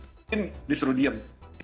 mungkin disuruh diam